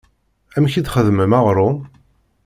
Amek i d-xeddmen aɣrum?